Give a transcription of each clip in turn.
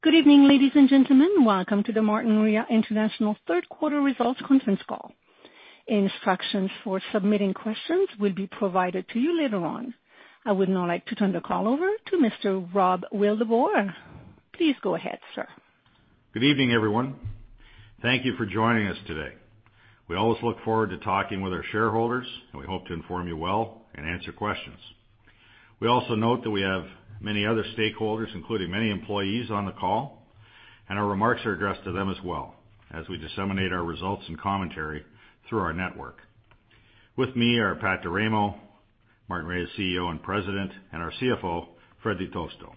Good evening, ladies and gentlemen. Welcome to the Martinrea International third quarter results conference call. Instructions for submitting questions will be provided to you later on. I would now like to turn the call over to Mr. Rob Wildeboer. Please go ahead, sir. Good evening, everyone. Thank you for joining us today. We always look forward to talking with our shareholders, and we hope to inform you well and answer questions. We also note that we have many other stakeholders, including many employees on the call, and our remarks are addressed to them as well as we disseminate our results and commentary through our network. With me are Pat D'Eramo, Martinrea's CEO and President, and our CFO, Fred Di Tosto.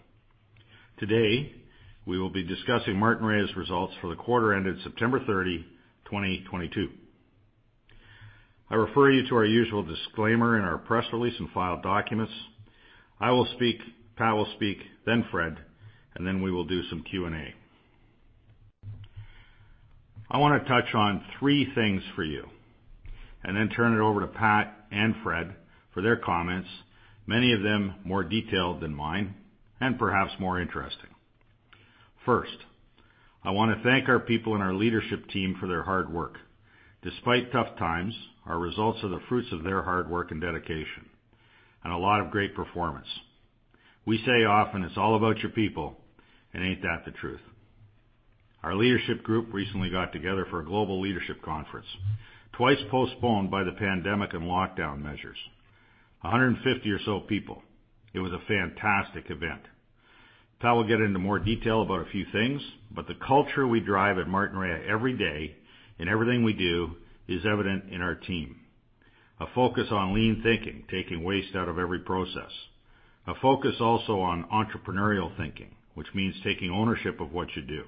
Today, we will be discussing Martinrea's results for the quarter ended September 30, 2022. I refer you to our usual disclaimer in our press release and filed documents. I will speak, Pat will speak, then Fred, and then we will do some Q&A. I wanna touch on three things for you and then turn it over to Pat and Fred for their comments, many of them more detailed than mine and perhaps more interesting. First, I wanna thank our people and our leadership team for their hard work. Despite tough times, our results are the fruits of their hard work and dedication, and a lot of great performance. We say often, it's all about your people, and ain't that the truth. Our leadership group recently got together for a global leadership conference, twice postponed by the pandemic and lockdown measures. 150 or so people. It was a fantastic event. Pat will get into more detail about a few things, but the culture we drive at Martinrea every day in everything we do is evident in our team. A focus on lean thinking, taking waste out of every process. A focus also on entrepreneurial thinking, which means taking ownership of what you do.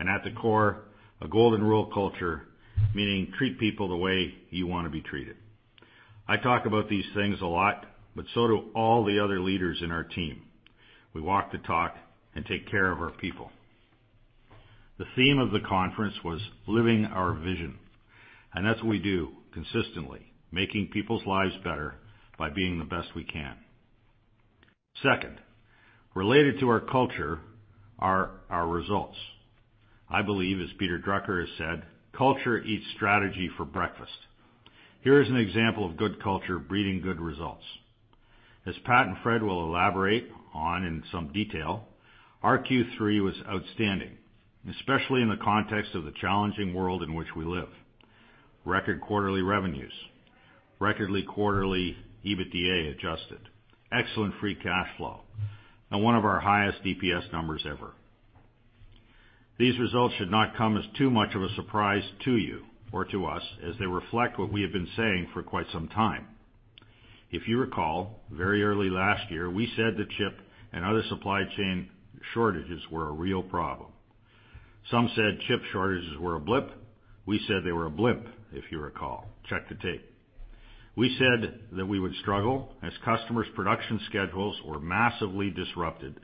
At the core, a golden rule culture, meaning treat people the way you wanna be treated. I talk about these things a lot, but so do all the other leaders in our team. We walk the talk and take care of our people. The theme of the conference was Living Our Vision, and that's what we do consistently, making people's lives better by being the best we can. Second, related to our culture are our results. I believe, as Peter Drucker has said, "Culture eats strategy for breakfast." Here is an example of good culture breeding good results. As Pat and Fred will elaborate on in some detail, our Q3 was outstanding, especially in the context of the challenging world in which we live. Record quarterly revenues, record quarterly adjusted EBITDA, excellent free cash flow, and one of our highest DPS numbers ever. These results should not come as too much of a surprise to you or to us as they reflect what we have been saying for quite some time. If you recall, very early last year, we said the chip and other supply chain shortages were a real problem. Some said chip shortages were a blip. We said they were a blimp, if you recall. Check the tape. We said that we would struggle as customers' production schedules were massively disrupted,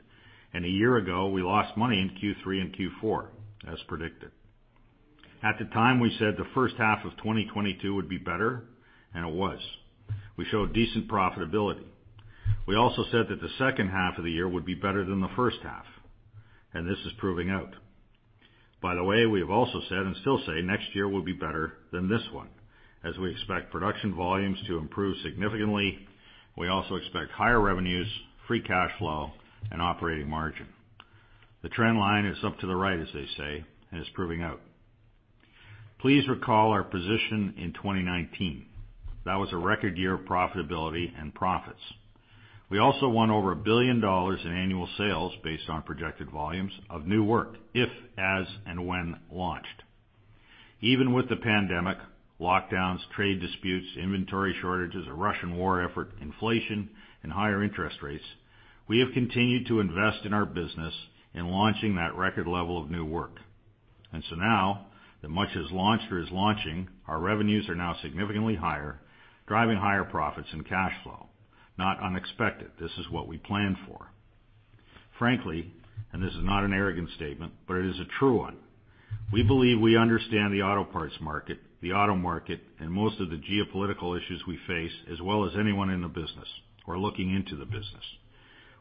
and a year ago, we lost money in Q3 and Q4, as predicted. At the time, we said the first half of 2022 would be better, and it was. We showed decent profitability. We also said that the second half of the year would be better than the first half, and this is proving out. By the way, we have also said and still say next year will be better than this one, as we expect production volumes to improve significantly. We also expect higher revenues, free cash flow, and operating margin. The trend line is up to the right, as they say, and it's proving out. Please recall our position in 2019. That was a record year of profitability and profits. We also won over $1 billion in annual sales based on projected volumes of new work, if, as, and when launched. Even with the pandemic, lockdowns, trade disputes, inventory shortages, a Russian war effort, inflation, and higher interest rates, we have continued to invest in our business in launching that record level of new work. And so now, that much is launched or is launching, our revenues are now significantly higher, driving higher profits and cash flow. Not unexpected. This is what we planned for. Frankly, and this is not an arrogant statement, but it is a true one, we believe we understand the auto parts market, the auto market, and most of the geopolitical issues we face as well as anyone in the business or looking into the business.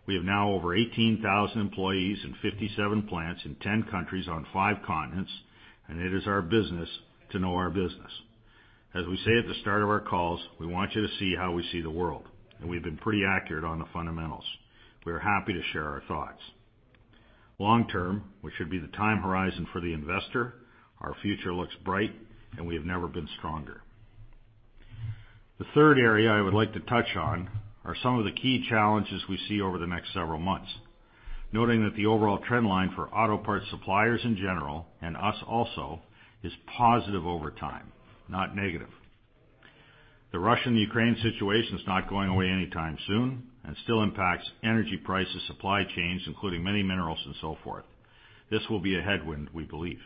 We have now over 18,000 employees in 57 plants in 10 countries on five continents, and it is our business to know our business. As we say at the start of our calls, we want you to see how we see the world, and we've been pretty accurate on the fundamentals. We are happy to share our thoughts. Long-term, which should be the time horizon for the investor, our future looks bright, and we have never been stronger. The third area I would like to touch on are some of the key challenges we see over the next several months, noting that the overall trend line for auto parts suppliers in general, and us also, is positive over time, not negative. The Russia and Ukraine situation is not going away anytime soon and still impacts energy prices, supply chains, including many minerals and so forth. This will be a headwind, we believe.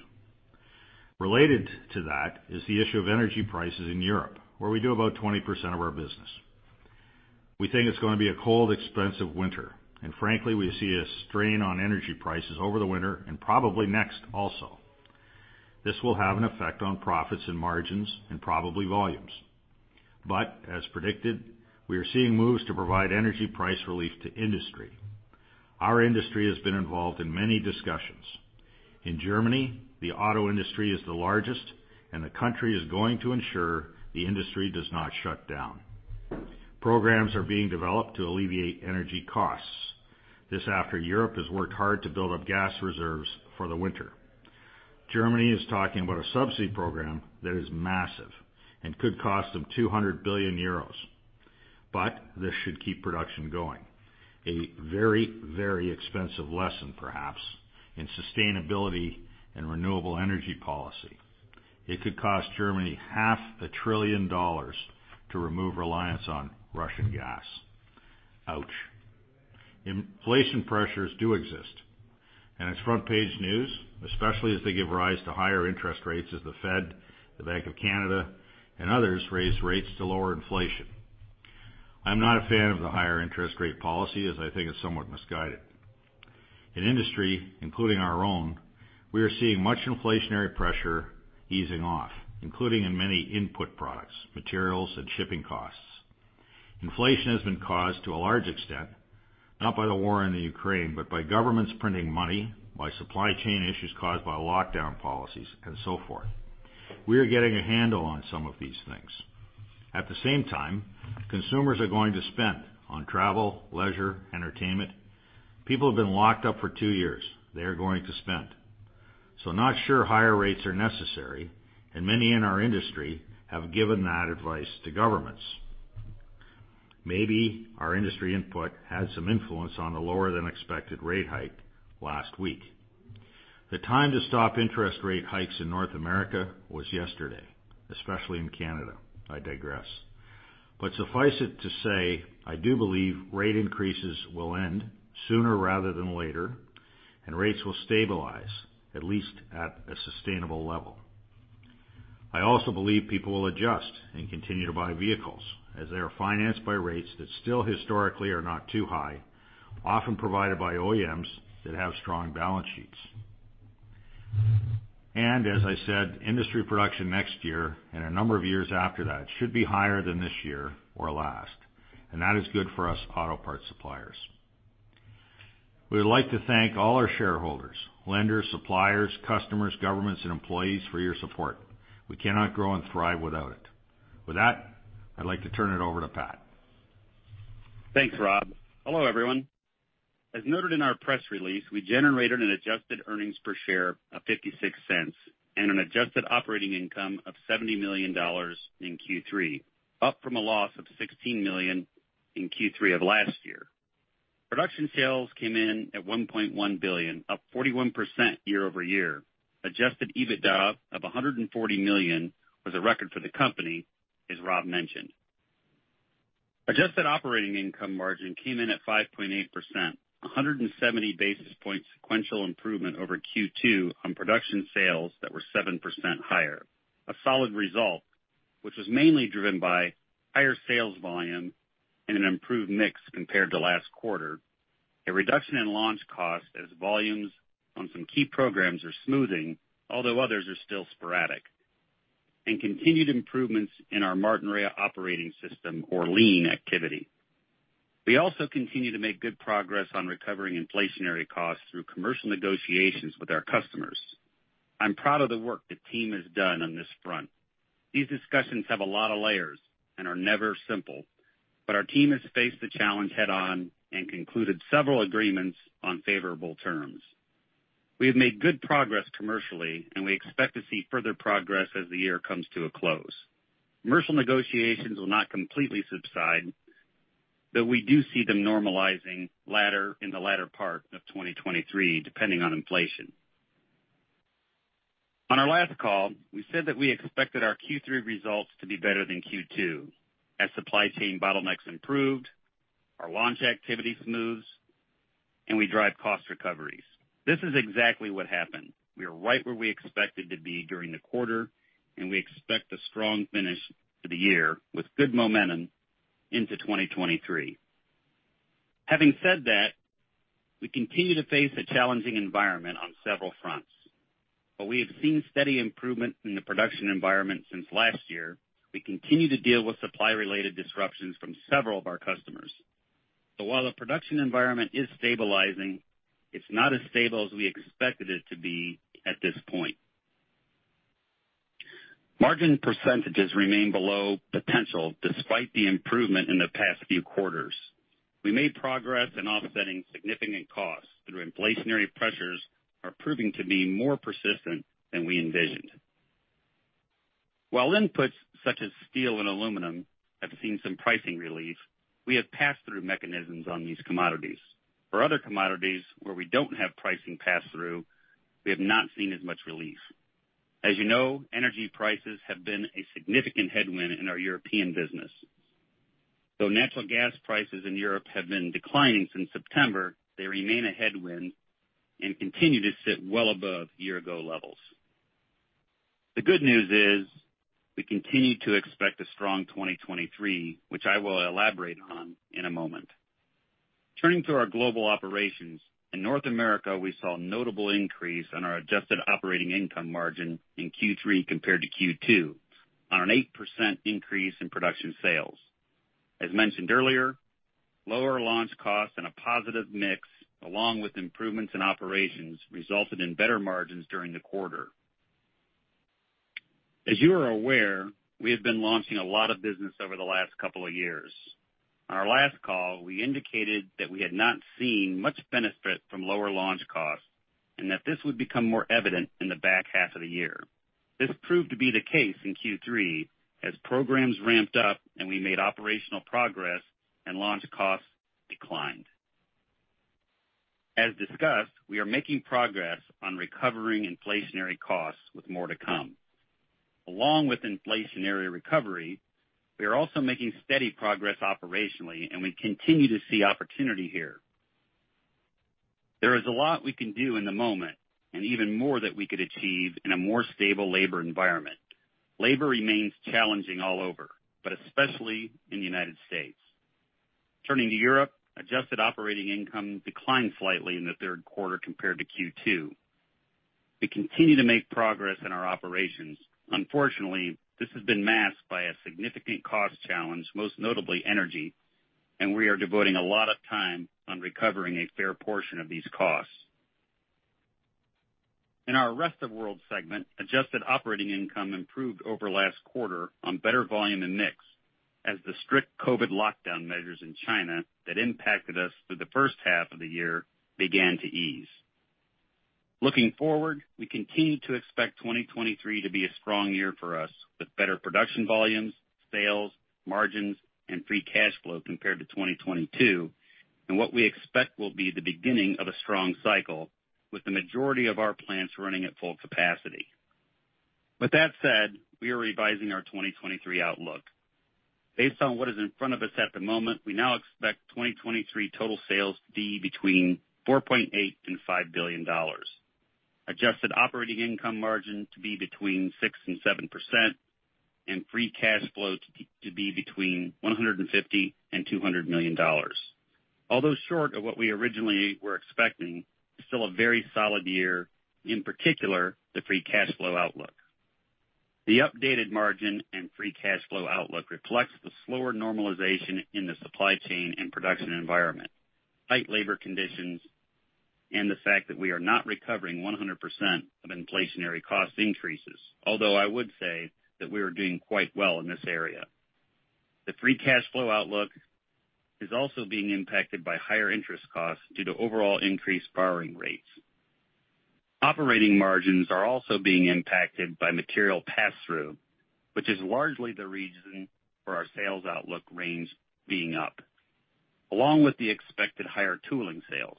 Related to that is the issue of energy prices in Europe, where we do about 20% of our business. We think it's gonna be a cold, expensive winter, and frankly, we see a strain on energy prices over the winter and probably next also. This will have an effect on profits and margins and probably volumes. But, as predicted, we are seeing moves to provide energy price relief to industry. Our industry has been involved in many discussions. In Germany, the auto industry is the largest, and the country is going to ensure the industry does not shut down. Programs are being developed to alleviate energy costs. This after Europe has worked hard to build up gas reserves for the winter. Germany is talking about a subsidy program that is massive and could cost them 200 billion euros. This should keep production going. A very, very expensive lesson, perhaps, in sustainability and renewable energy policy. It could cost Germany half a trillion dollars to remove reliance on Russian gas. Ouch. Inflation pressures do exist, and it's front-page news, especially as they give rise to higher interest rates as the Fed, the Bank of Canada, and others raise rates to lower inflation. I'm not a fan of the higher interest rate policy, as I think it's somewhat misguided. In industry, including our own, we are seeing much inflationary pressure easing off, including in many input products, materials, and shipping costs. Inflation has been caused, to a large extent, not by the war in the Ukraine, but by governments printing money, by supply chain issues caused by lockdown policies, and so forth. We are getting a handle on some of these things. At the same time, consumers are going to spend on travel, leisure, entertainment. People have been locked up for two years. They are going to spend. Not sure higher rates are necessary, and many in our industry have given that advice to governments. Maybe our industry input had some influence on the lower than expected rate hike last week. The time to stop interest rate hikes in North America was yesterday, especially in Canada. I digress. But suffice it to say, I do believe rate increases will end sooner rather than later, and rates will stabilize at least at a sustainable level. I also believe people will adjust and continue to buy vehicles as they are financed by rates that still historically are not too high, often provided by OEMs that have strong balance sheets. As I said, industry production next year and a number of years after that should be higher than this year or last, and that is good for us auto part suppliers. We would like to thank all our shareholders, lenders, suppliers, customers, governments, and employees for your support. We cannot grow and thrive without it. With that, I'd like to turn it over to Pat. Thanks, Rob. Hello, everyone. As noted in our press release, we generated an adjusted earnings per share of $0.56 and an adjusted operating income of $70 million in Q3, up from a loss of $16 million in Q3 of last year. Production sales came in at $1.1 billion, up 41% year-over-year. Adjusted EBITDA of $140 million was a record for the company, as Rob mentioned. Adjusted operating income margin came in at 5.8%, 170 basis points sequential improvement over Q2 on production sales that were 7% higher. A solid result, which was mainly driven by higher sales volume and an improved mix compared to last quarter, a reduction in launch cost as volumes on some key programs are smoothing, although others are still sporadic, and continued improvements in our Martinrea Operating System or Lean activity. We also continue to make good progress on recovering inflationary costs through commercial negotiations with our customers. I'm proud of the work the team has done on this front. These discussions have a lot of layers and are never simple, but our team has faced the challenge head-on and concluded several agreements on favorable terms. We have made good progress commercially, and we expect to see further progress as the year comes to a close. Commercial negotiations will not completely subside, but we do see them normalizing later, in the latter part of 2023, depending on inflation. On our last call, we said that we expected our Q3 results to be better than Q2 as supply chain bottlenecks improved, our launch activity smooths, and we drive cost recoveries. This is exactly what happened. We are right where we expected to be during the quarter, and we expect a strong finish to the year with good momentum into 2023. Having said that, we continue to face a challenging environment on several fronts. We have seen steady improvement in the production environment since last year. We continue to deal with supply-related disruptions from several of our customers. While the production environment is stabilizing, it's not as stable as we expected it to be at this point. Margin percentages remain below potential despite the improvement in the past few quarters. We made progress in offsetting significant costs, but inflationary pressures are proving to be more persistent than we envisioned. While inputs such as steel and aluminum have seen some pricing relief, we have passed through mechanisms on these commodities. For other commodities where we don't have pricing pass-through, we have not seen as much relief. As you know, energy prices have been a significant headwind in our European business. Though natural gas prices in Europe have been declining since September, they remain a headwind and continue to sit well above year-ago levels. The good news is we continue to expect a strong 2023, which I will elaborate on in a moment. Turning to our global operations. In North America, we saw a notable increase on our adjusted operating income margin in Q3 compared to Q2 on an 8% increase in production sales. As mentioned earlier, lower launch costs and a positive mix, along with improvements in operations, resulted in better margins during the quarter. As you are aware, we have been launching a lot of business over the last couple of years. On our last call, we indicated that we had not seen much benefit from lower launch costs and that this would become more evident in the back half of the year. This proved to be the case in Q3 as programs ramped up and we made operational progress and launch costs declined. As discussed, we are making progress on recovering inflationary costs with more to come. Along with inflationary recovery, we are also making steady progress operationally, and we continue to see opportunity here. There is a lot we can do in the moment and even more that we could achieve in a more stable labor environment. Labor remains challenging all over, but especially in the United States. Turning to Europe, adjusted operating income declined slightly in the third quarter compared to Q2. We continue to make progress in our operations. Unfortunately, this has been masked by a significant cost challenge, most notably energy, and we are devoting a lot of time on recovering a fair portion of these costs. In our Rest of World segment, adjusted operating income improved over last quarter on better volume and mix as the strict COVID lockdown measures in China that impacted us through the first half of the year began to ease. Looking forward, we continue to expect 2023 to be a strong year for us with better production volumes, sales, margins, and free cash flow compared to 2022, and what we expect will be the beginning of a strong cycle with the majority of our plants running at full capacity. With that said, we are revising our 2023 outlook. Based on what is in front of us at the moment, we now expect 2023 total sales to be between $4.8-$5 billion. Adjusted operating income margin to be between 6%-7%, and free cash flow to be between $150-$200 million. Although short of what we originally were expecting, it's still a very solid year, in particular, the free cash flow outlook. The updated margin and free cash flow outlook reflects the slower normalization in the supply chain and production environment, tight labor conditions, and the fact that we are not recovering 100% of inflationary cost increases, although I would say that we are doing quite well in this area. The free cash flow outlook is also being impacted by higher interest costs due to overall increased borrowing rates. Operating margins are also being impacted by material pass-through, which is largely the reason for our sales outlook range being up, along with the expected higher tooling sales.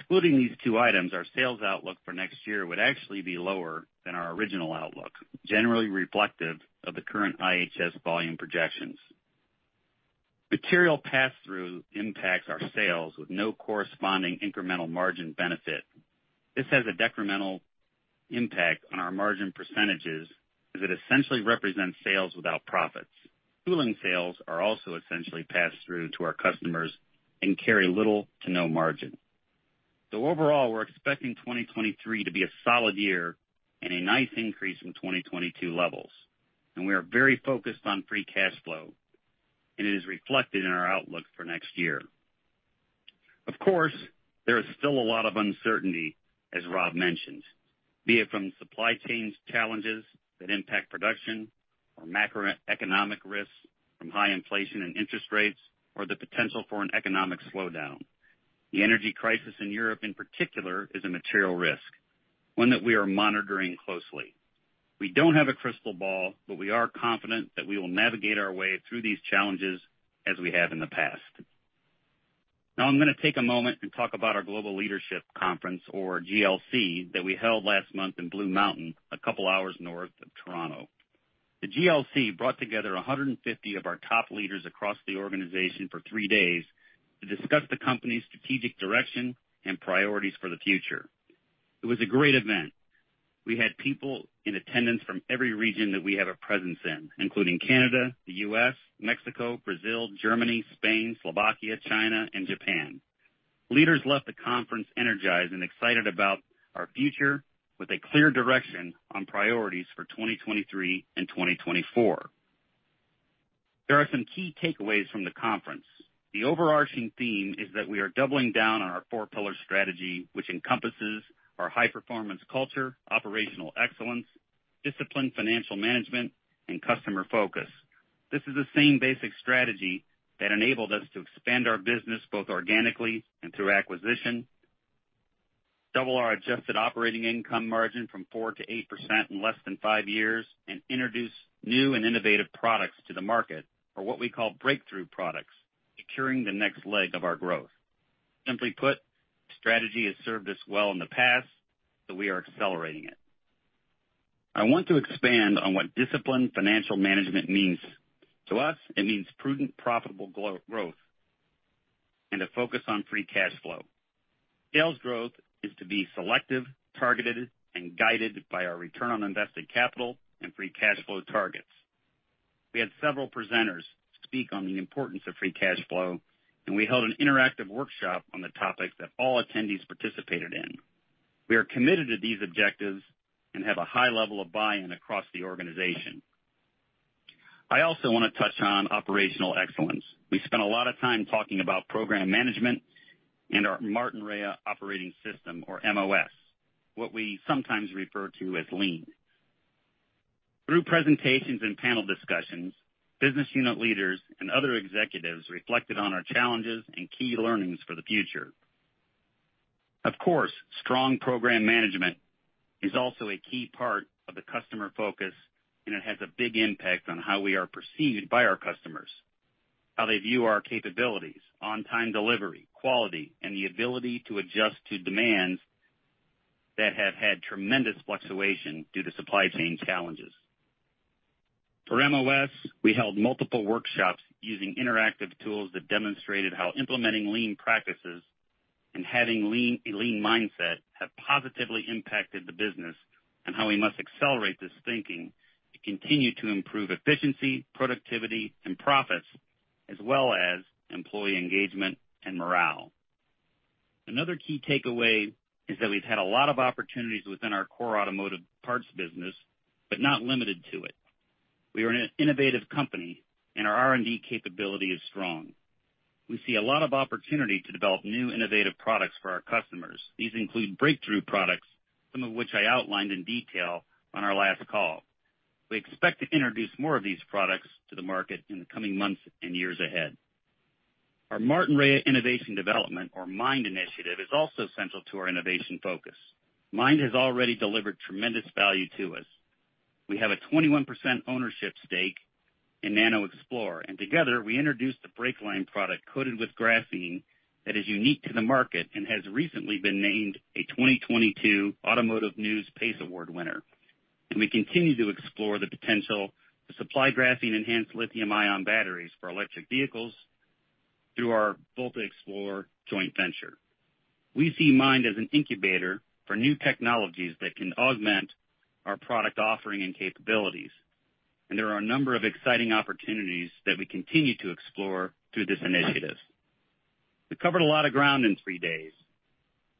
Excluding these two items, our sales outlook for next year would actually be lower than our original outlook, generally reflective of the current IHS volume projections. Material pass-through impacts our sales with no corresponding incremental margin benefit. This has a decremental impact on our margin percentages as it essentially represents sales without profits. Tooling sales are also essentially passed through to our customers and carry little to no margin. Overall, we're expecting 2023 to be a solid year and a nice increase from 2022 levels, and we are very focused on free cash flow, and it is reflected in our outlook for next year. Of course, there is still a lot of uncertainty, as Rob mentioned, be it from supply chains challenges that impact production or macroeconomic risks from high inflation and interest rates or the potential for an economic slowdown. The energy crisis in Europe in particular is a material risk, one that we are monitoring closely. We don't have a crystal ball, but we are confident that we will navigate our way through these challenges as we have in the past. Now I'm gonna take a moment and talk about our Global Leadership Conference, or GLC, that we held last month in Blue Mountain, a couple hours north of Toronto. The GLC brought together 150 of our top leaders across the organization for three days to discuss the company's strategic direction and priorities for the future. It was a great event. We had people in attendance from every region that we have a presence in, including Canada, the U.S., Mexico, Brazil, Germany, Spain, Slovakia, China, and Japan. Leaders left the conference energized and excited about our future with a clear direction on priorities for 2023 and 2024. There are some key takeaways from the conference. The overarching theme is that we are doubling down on our four-pillar strategy, which encompasses our high-performance culture, operational excellence, disciplined financial management, and customer focus. This is the same basic strategy that enabled us to expand our business both organically and through acquisition, double our adjusted operating income margin from 4%-8% in less than five years, and introduce new and innovative products to the market, or what we call breakthrough products, securing the next leg of our growth. Simply put, the strategy has served us well in the past, so we are accelerating it. I want to expand on what disciplined financial management means. To us, it means prudent, profitable growth, and a focus on free cash flow. Sales growth is to be selective, targeted, and guided by our return on invested capital and free cash flow targets. We had several presenters speak on the importance of free cash flow, and we held an interactive workshop on the topic that all attendees participated in. We are committed to these objectives and have a high level of buy-in across the organization. I also wanna touch on operational excellence. We spent a lot of time talking about program management and our Martinrea Operating System, or MOS, what we sometimes refer to as Lean. Through presentations and panel discussions, business unit leaders and other executives reflected on our challenges and key learnings for the future. Of course, strong program management is also a key part of the customer focus, and it has a big impact on how we are perceived by our customers, how they view our capabilities, on-time delivery, quality, and the ability to adjust to demands that have had tremendous fluctuation due to supply chain challenges. For MOS, we held multiple workshops using interactive tools that demonstrated how implementing lean practices and having a lean mindset have positively impacted the business, and how we must accelerate this thinking to continue to improve efficiency, productivity and profits as well as employee engagement and morale. Another key takeaway is that we've had a lot of opportunities within our core automotive parts business, but not limited to it. We are an innovative company, and our R&D capability is strong. We see a lot of opportunity to develop new, innovative products for our customers. These include breakthrough products, some of which I outlined in detail on our last call. We expect to introduce more of these products to the market in the coming months and years ahead. Our Martinrea Innovation Development, or MIND Initiative, is also central to our innovation focus. MIND has already delivered tremendous value to us. We have a 21% ownership stake in NanoXplore, and together, we introduced the brake line product coated with graphene that is unique to the market and has recently been named a 2022 Automotive News PACE Award winner. We continue to explore the potential to supply graphene enhanced lithium-ion batteries for electric vehicles through our VoltaXplore joint venture. We see MIND as an incubator for new technologies that can augment our product offering and capabilities, and there are a number of exciting opportunities that we continue to explore through this initiative. We covered a lot of ground in three days,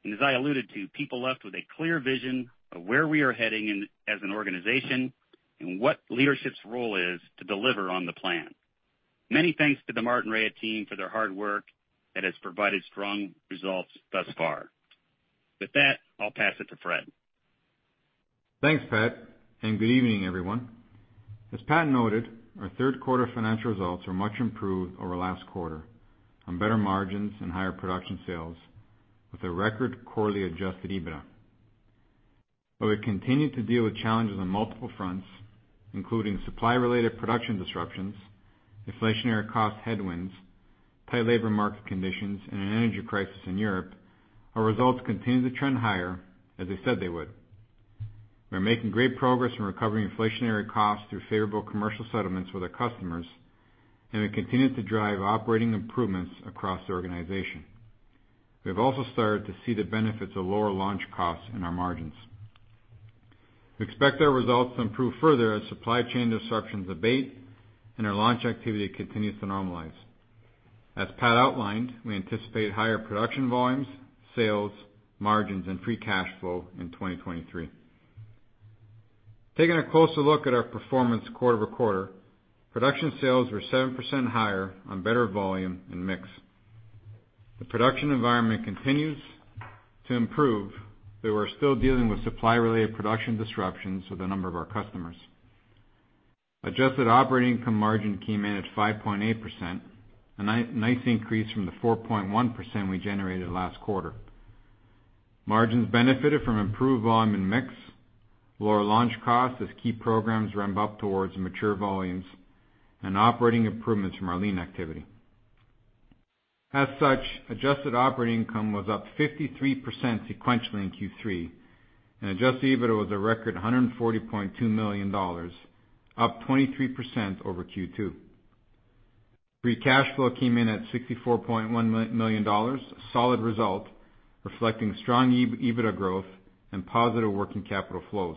and as I alluded to, people left with a clear vision of where we are heading, as an organization and what leadership's role is to deliver on the plan. Many thanks to the Martinrea team for their hard work that has provided strong results thus far. With that, I'll pass it to Fred. Thanks, Pat, and good evening, everyone. As Pat noted, our third quarter financial results are much improved over last quarter on better margins and higher production sales with a record quarterly adjusted EBITDA. We continue to deal with challenges on multiple fronts, including supply-related production disruptions, inflationary cost headwinds, tight labor market conditions, and an energy crisis in Europe. Our results continue to trend higher, as I said they would. We're making great progress in recovering inflationary costs through favorable commercial settlements with our customers, and we continue to drive operating improvements across the organization. We have also started to see the benefits of lower launch costs in our margins. We expect our results to improve further as supply chain disruptions abate and our launch activity continues to normalize. As Pat outlined, we anticipate higher production volumes, sales, margins and free cash flow in 2023. Taking a closer look at our performance quarter-over-quarter. Production sales were 7% higher on better volume and mix. The production environment continues to improve, though we're still dealing with supply-related production disruptions with a number of our customers. Adjusted operating income margin came in at 5.8%, a nice increase from the 4.1% we generated last quarter. Margins benefited from improved volume and mix, lower launch costs as key programs ramp up towards mature volumes, and operating improvements from our Lean activity. As such, adjusted operating income was up 53% sequentially in Q3, and adjusted EBITDA was a record $140.2 million, up 23% over Q2. Free cash flow came in at $64.1 million, a solid result reflecting strong EBITDA growth and positive working capital flows.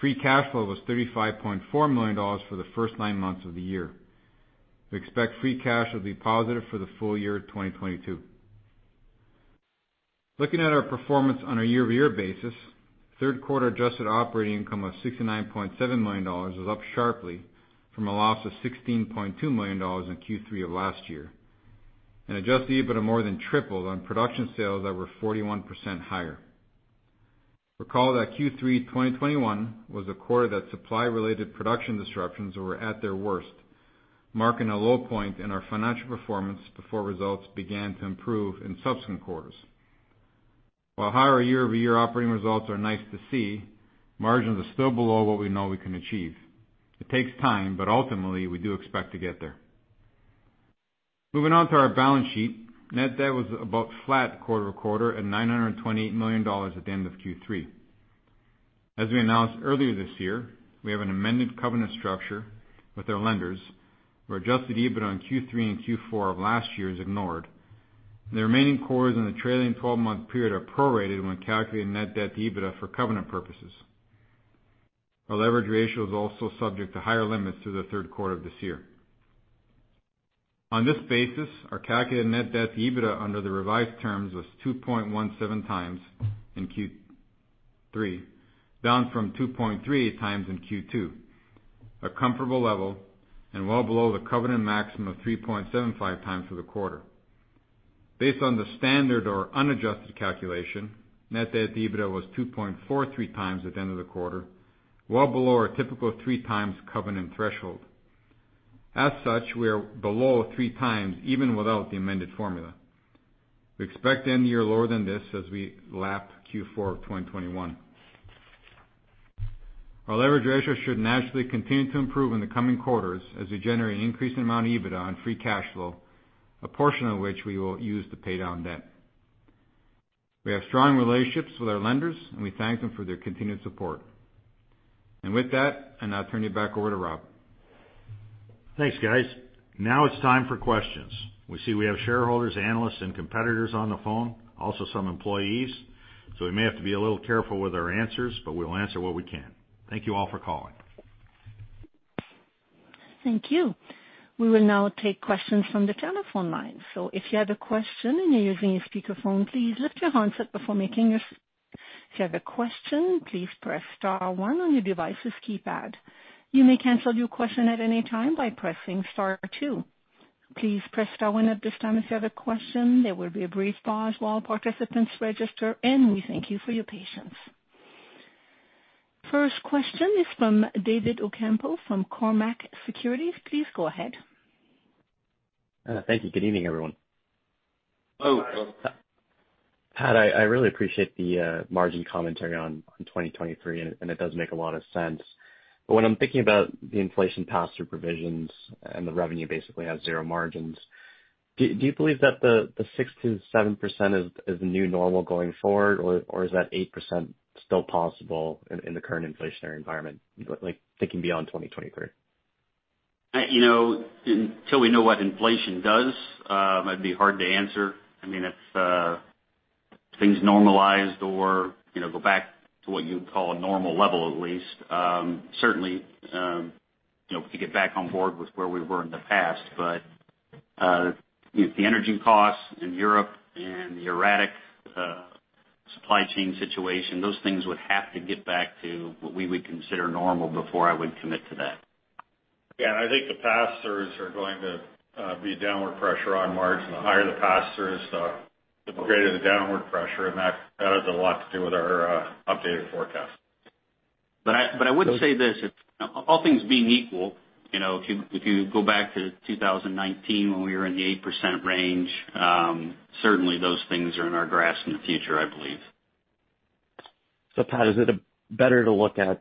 Free cash flow was $35.4 million for the first nine months of the year. We expect free cash will be positive for the full year 2022. Looking at our performance on a year-over-year basis, third quarter adjusted operating income was $69.7 million. It was up sharply from a loss of $16.2 million in Q3 of last year. Adjusted EBITDA more than tripled on production sales that were 41% higher. Recall that Q3 2021 was a quarter that supply-related production disruptions were at their worst, marking a low point in our financial performance before results began to improve in subsequent quarters. While higher year-over-year operating results are nice to see, margins are still below what we know we can achieve. It takes time, but ultimately, we do expect to get there. Moving on to our balance sheet, net debt was about flat quarter-over-quarter at $928 million at the end of Q3. As we announced earlier this year, we have an amended covenant structure with our lenders, where adjusted EBITDA in Q3 and Q4 of last year is ignored. The remaining quarters in the trailing 12-month period are prorated when calculating net debt to EBITDA for covenant purposes. Our leverage ratio is also subject to higher limits through the third quarter of this year. On this basis, our calculated net debt to EBITDA under the revised terms was 2.17x in Q3, down from 2.3x in Q2, a comfortable level and well below the covenant maximum of 3.75x for the quarter. Based on the standard or unadjusted calculation, net debt to EBITDA was 2.43x at the end of the quarter, well below our typical 3x covenant threshold. As such, we are below 3x even without the amended formula. We expect end year lower than this as we lap Q4 of 2021. Our leverage ratio should naturally continue to improve in the coming quarters as we generate an increasing amount of EBITDA and free cash flow, a portion of which we will use to pay down debt. We have strong relationships with our lenders, and we thank them for their continued support. With that, I'll turn it back over to Rob. Thanks, guys. Now it's time for questions. We see we have shareholders, analysts, and competitors on the phone, also some employees, so we may have to be a little careful with our answers, but we'll answer what we can. Thank you all for calling. Thank you. We will now take questions from the telephone line. If you have a question and you're using a speakerphone, please lift your handset. If you have a question, please press star one on your device's keypad. You may cancel your question at any time by pressing star two. Please press star one at this time if you have a question. There will be a brief pause while participants register, and we thank you for your patience. First question is from David Ocampo from Cormark Securities. Please go ahead. Thank you. Good evening, everyone. Hello. Pat, I really appreciate the margin commentary on 2023, and it does make a lot of sense. When I'm thinking about the inflation pass-through provisions and the revenue basically has zero margins, do you believe that the 6%-7% is the new normal going forward, or is that 8% still possible in the current inflationary environment? Like thinking beyond 2023. You know, until we know what inflation does, it'd be hard to answer. I mean, if things normalized or, you know, go back to what you'd call a normal level at least, certainly, you know, we could get back on board with where we were in the past. The energy costs in Europe and the erratic supply chain situation, those things would have to get back to what we would consider normal before I would commit to that. Yeah, I think the pass-throughs are going to be downward pressure on margins. The higher the pass-throughs are, the greater the downward pressure, and that has a lot to do with our updated forecast. I would say this, if all things being equal, you know, if you go back to 2019 when we were in the 8% range, certainly those things are in our grasp in the future, I believe. Pat, is it better to look at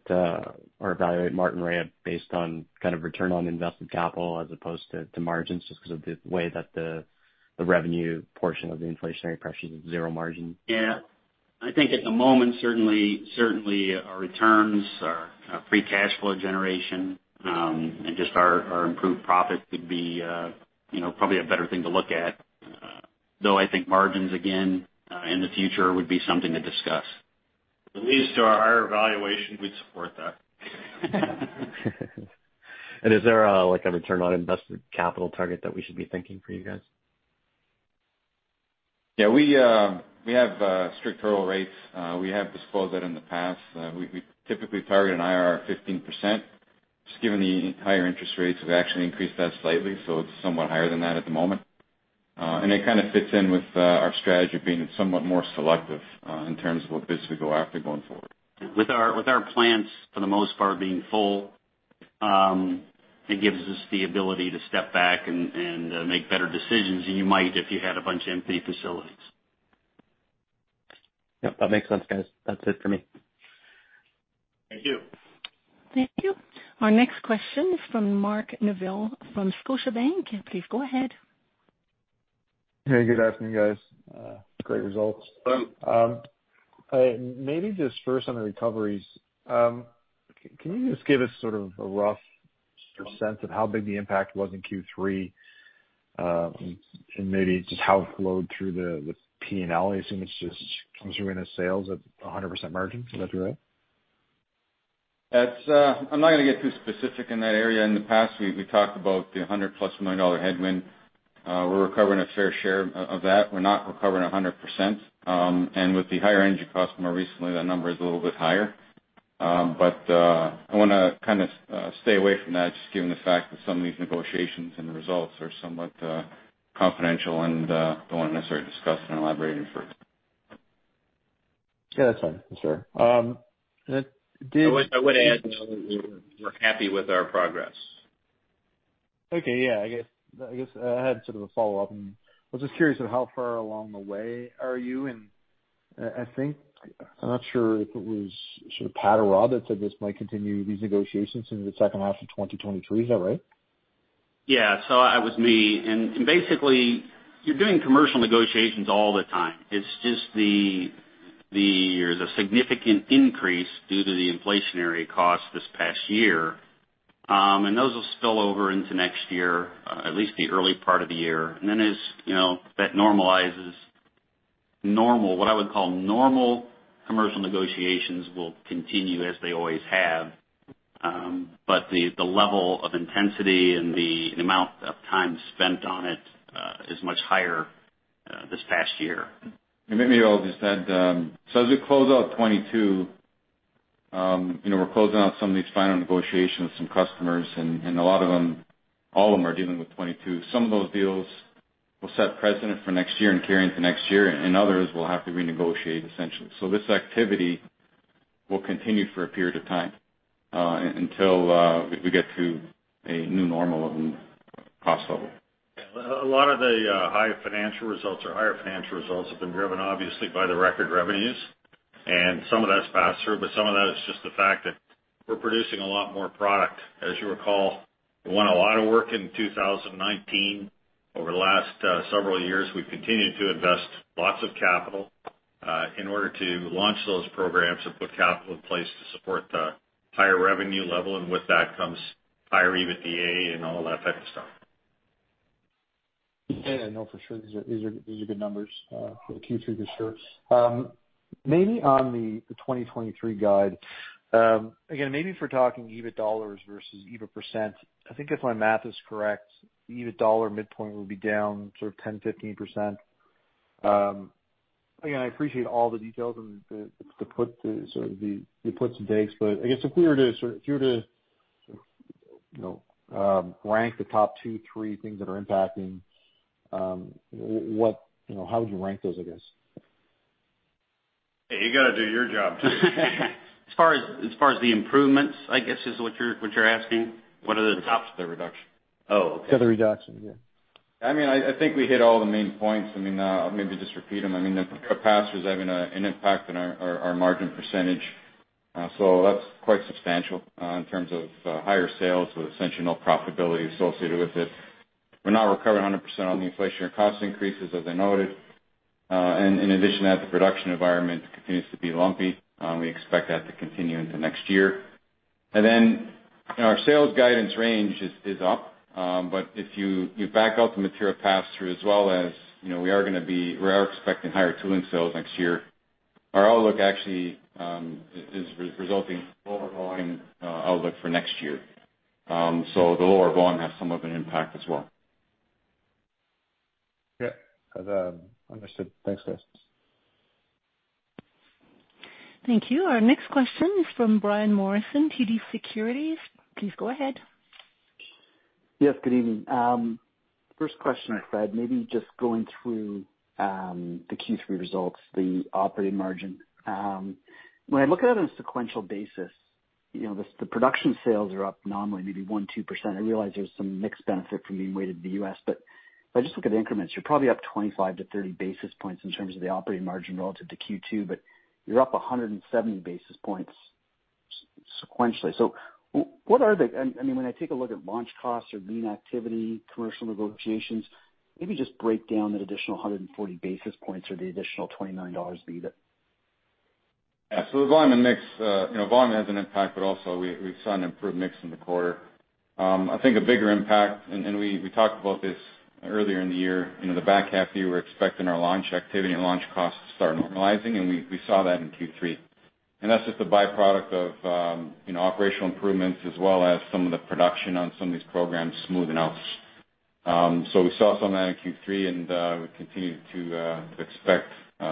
or evaluate Martinrea based on kind of return on invested capital as opposed to margins just 'cause of the way that the revenue portion of the inflationary pressures is zero margin? Yeah. I think at the moment, certainly our returns, our free cash flow generation, and just our improved profit would be, you know, probably a better thing to look at. Though I think margins again, in the future would be something to discuss. At least to our evaluation, we'd support that. Is there a, like a return on invested capital target that we should be thinking for you guys? Yeah. We have strict hurdle rates. We have disclosed that in the past. We typically target an IRR of 15%. Just given the higher interest rates, we've actually increased that slightly, so it's somewhat higher than that at the moment. It kinda fits in with our strategy of being somewhat more selective in terms of what bids we go after going forward. With our plants for the most part being full, it gives us the ability to step back and make better decisions than you might if you had a bunch of empty facilities. Yep, that makes sense, guys. That's it for me. Thank you. Thank you. Our next question is from Mark Neville from Scotiabank. Please go ahead. Hey, good afternoon, guys. Great results. Thanks. Maybe just first on the recoveries. Can you just give us sort of a rough sense of how big the impact was in Q3, and maybe just how it flowed through the P&L? I assume it's just comes through in the sales at a 100% margin. Is that fair? I'm not gonna get too specific in that area. In the past we talked about the $100+ million headwind. We're recovering a fair share of that. We're not recovering 100%. With the higher energy costs more recently, that number is a little bit higher. I wanna kinda stay away from that just given the fact that some of these negotiations and the results are somewhat confidential and don't wanna necessarily discuss and elaborate any further. Yeah, that's fine. For sure. I would add, though, that we're happy with our progress. Okay. Yeah. I guess I had sort of a follow-up and was just curious of how far along the way are you. I think I'm not sure if it was sort of Pat or Rob that said this might continue these negotiations into the second half of 2023. Is that right? Yeah. It was me. Basically, you're doing commercial negotiations all the time. It's just the. There's a significant increase due to the inflationary costs this past year. Those will spill over into next year, at least the early part of the year. Then as you know that normalizes, what I would call normal commercial negotiations will continue as they always have. The level of intensity and the amount of time spent on it is much higher this past year. Maybe I'll just add, so as we close out 2022, you know, we're closing out some of these final negotiations with some customers, and a lot of them, all of them are dealing with 2022. Some of those deals will set precedent for next year and carry into next year, and others will have to renegotiate essentially. This activity will continue for a period of time, until we get to a new normal and cost level. A lot of the higher financial results have been driven, obviously, by the record revenues, and some of that's pass-through, but some of that is just the fact that we're producing a lot more product. As you recall, we won a lot of work in 2019. Over the last several years, we've continued to invest lots of capital in order to launch those programs and put capital in place to support the higher revenue level, and with that comes higher EBITDA and all that type of stuff. Yeah, I know for sure these are good numbers for Q3 this year. Maybe on the 2023 guide, again, maybe if we're talking EBIT dollars versus EBIT percent, I think if my math is correct, the EBIT dollar midpoint will be down sort of 10%-15%. Again, I appreciate all the details and the puts and takes, but I guess if you were to, you know, rank the top two, three things that are impacting, what, you know, how would you rank those, I guess? Hey, you gotta do your job too. As far as the improvements, I guess is what you're asking? What are the tops- The reduction. Oh, okay. For the reduction, yeah. I mean, I think we hit all the main points. I mean, I'll maybe just repeat them. I mean, the pass-through is having an impact on our margin percentage. So that's quite substantial in terms of higher sales with essentially no profitability associated with it. We're not recovering 100% on the inflationary cost increases, as I noted. In addition to that, the production environment continues to be lumpy. We expect that to continue into next year. Then, you know, our sales guidance range is up. If you back out the material pass-through as well as, you know, we are expecting higher tooling sales next year, our outlook actually is resulting in lower volume outlook for next year. The lower volume has some of an impact as well. Yeah. Understood. Thanks, guys. Thank you. Our next question is from Brian Morrison, TD Securities. Please go ahead. Yes, good evening. First question, Fred, maybe just going through the Q3 results, the operating margin. When I look at it on a sequential basis, you know, the production sales are up nominally, maybe 1-2%. I realize there's some mixed benefit from being weighted in the U.S., but if I just look at increments, you're probably up 25-30 basis points in terms of the operating margin relative to Q2, but you're up 170 basis points sequentially. So what are the, I mean, when I take a look at launch costs or lean activity, commercial negotiations, maybe just break down that additional 140 basis points or the additional $29 of EBITDA. Yeah. The volume and mix, you know, volume has an impact, but also we've seen an improved mix in the quarter. I think a bigger impact, and we talked about this earlier in the year, you know, the back half of the year, we're expecting our launch activity and launch costs to start normalizing, and we saw that in Q3. That's just a byproduct of, you know, operational improvements as well as some of the production on some of these programs smoothing out. We saw some of that in Q3, and we continue to expect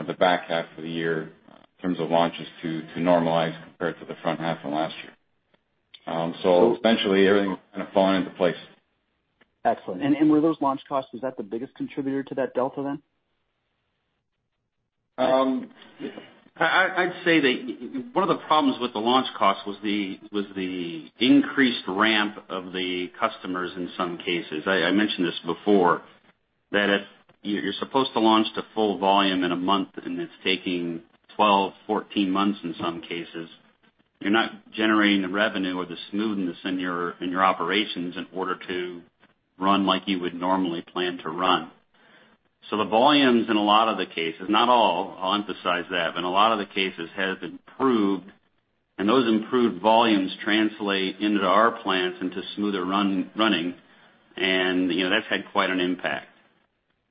the back half of the year in terms of launches to normalize compared to the front half of last year. Essentially, everything kind of falling into place. Excellent. Were those launch costs, is that the biggest contributor to that delta then? I'd say that one of the problems with the launch costs was the increased ramp of the customers in some cases. I mentioned this before, that if you're supposed to launch to full volume in a month and it's taking 12, 14 months in some cases, you're not generating the revenue or the smoothness in your operations in order to run like you would normally plan to run. The volumes in a lot of the cases, not all, I'll emphasize that, but a lot of the cases have improved, and those improved volumes translate into our plants into smoother running, and, you know, that's had quite an impact.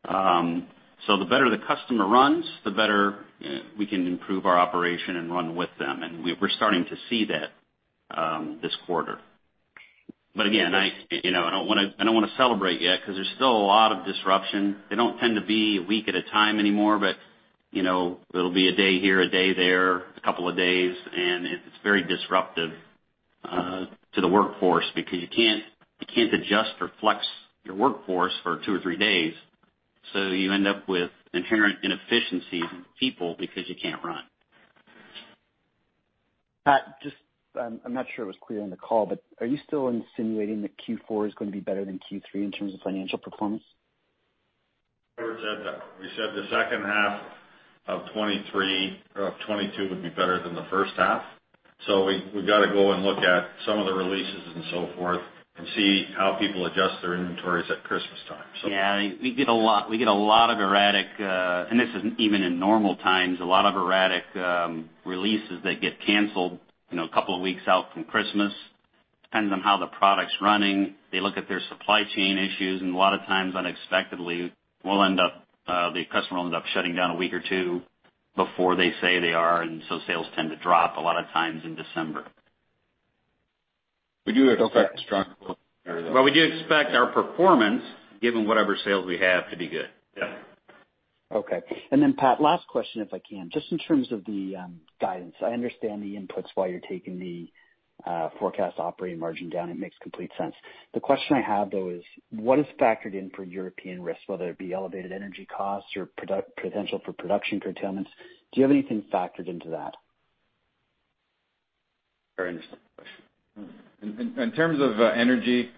The better the customer runs, the better we can improve our operation and run with them. We're starting to see that this quarter. Again, I, you know, I don't wanna celebrate yet 'cause there's still a lot of disruption. They don't tend to be a week at a time anymore, but, you know, it'll be a day here, a day there, a couple of days, and it's very disruptive to the workforce because you can't adjust or flex your workforce for two or three days, so you end up with inherent inefficiencies in people because you can't run. Pat, just, I'm not sure it was clear on the call, but are you still insinuating that Q4 is gonna be better than Q3 in terms of financial performance? We said that. We said the second half of 2023 or of 2022 would be better than the first half. We've gotta go and look at some of the releases and so forth. See how people adjust their inventories at Christmas time. Yeah, we get a lot of erratic, and this is even in normal times, a lot of erratic releases that get canceled, you know, a couple of weeks out from Christmas. Depends on how the product's running. They look at their supply chain issues, and a lot of times, unexpectedly, we'll end up, the customer will end up shutting down a week or two before they say they are, and so sales tend to drop a lot of times in December. We do expect strong. Well, we do expect our performance, given whatever sales we have, to be good. Yeah. Okay. Pat, last question, if I can. Just in terms of the guidance. I understand the inputs, why you're taking the forecast operating margin down. It makes complete sense. The question I have, though, is what is factored in for European risk, whether it be elevated energy costs or potential for production curtailments? Do you have anything factored into that? Very interesting question. In terms of energy,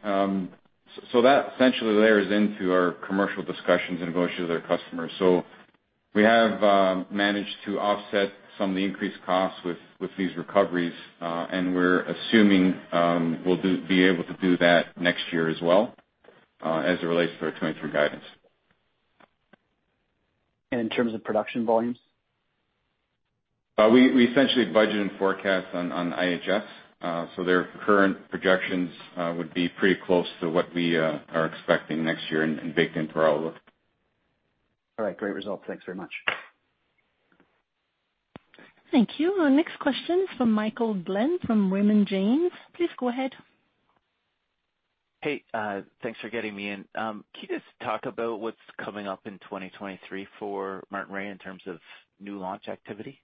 so that essentially layers into our commercial discussions and negotiations with our customers. We have managed to offset some of the increased costs with these recoveries, and we're assuming we'll be able to do that next year as well, as it relates to our 2023 guidance. In terms of production volumes? We essentially budget and forecast on IHS. Their current projections would be pretty close to what we are expecting next year and baked into our outlook. All right. Great results. Thanks very much. Thank you. Our next question is from Michael Glen from Raymond James. Please go ahead. Hey, thanks for getting me in. Can you just talk about what's coming up in 2023 for Martinrea in terms of new launch activity?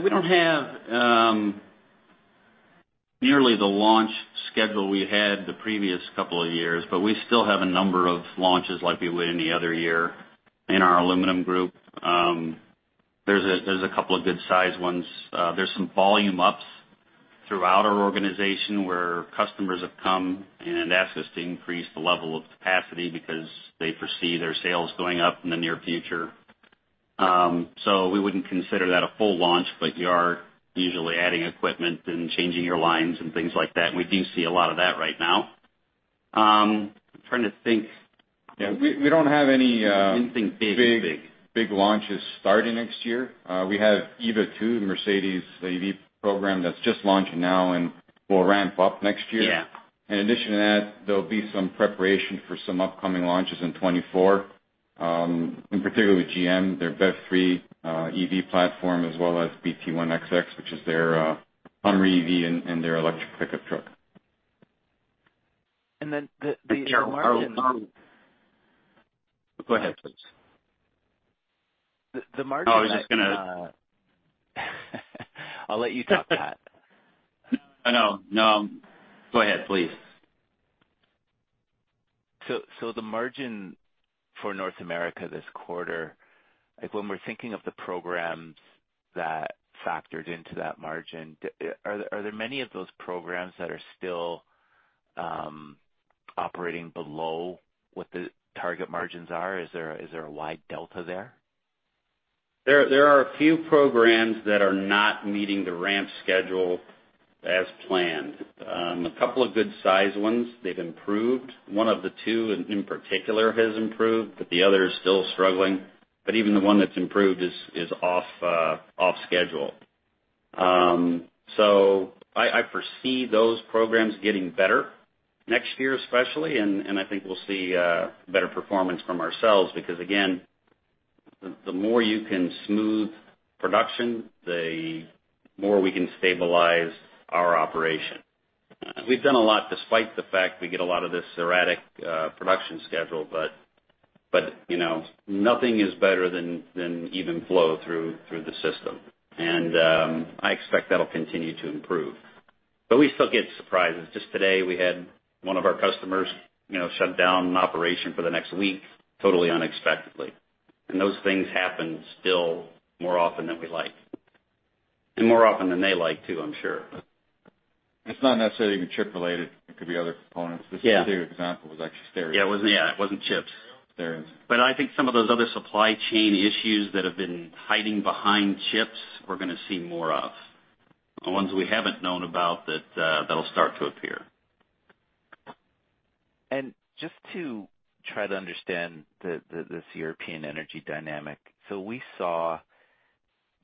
We don't have nearly the launch schedule we had the previous couple of years, but we still have a number of launches like we would any other year in our aluminum group. There's a couple of good-sized ones. There's some volume ups throughout our organization, where customers have come and asked us to increase the level of capacity because they foresee their sales going up in the near future. We wouldn't consider that a full launch, but you are usually adding equipment and changing your lines and things like that. We do see a lot of that right now. I'm trying to think. Yeah, we don't have any. Anything big. Big launches starting next year. We have EVA2, Mercedes EV program that's just launching now and will ramp up next year. Yeah. In addition to that, there'll be some preparation for some upcoming launches in 2024, in particular with GM, their BEV3 EV platform, as well as BT1XX, which is their Hummer EV and their electric pickup truck. And then the, the margin- Go ahead, please. The margin No, I was just gonna. I'll let you talk, Pat. No, no. Go ahead, please. The margin for North America this quarter, like when we're thinking of the programs that factored into that margin, are there many of those programs that are still operating below what the target margins are? Is there a wide delta there? There are a few programs that are not meeting the ramp schedule as planned. A couple of good-sized ones, they've improved. One of the two in particular has improved, but the other is still struggling. Even the one that's improved is off schedule. I foresee those programs getting better next year, especially. I think we'll see better performance from ourselves because, again, the more you can smooth production, the more we can stabilize our operation. We've done a lot despite the fact we get a lot of this erratic production schedule. You know, nothing is better than even flow through the system. I expect that'll continue to improve. We still get surprises. Just today, we had one of our customers, you know, shut down an operation for the next week, totally unexpectedly. Those things happen still more often than we like, and more often than they like too, I'm sure. It's not necessarily even chip related. It could be other components. Yeah. This particular example was actually steering. Yeah, it wasn't chip. Yeah. I think some of those other supply chain issues that have been hiding behind chips, we're gonna see more of. The ones we haven't known about that'll start to appear. Just to try to understand this European energy dynamic. We saw